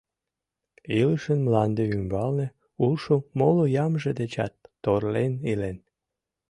Илышын мланде ӱмбалне улшо моло ямже дечат торлен илен.